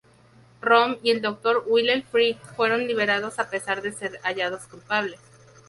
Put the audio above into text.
Röhm y el doctor Wilhelm Frick fueron liberados a pesar de ser hallados culpables.